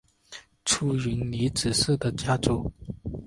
出云尼子氏的家祖。